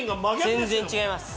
全然違います。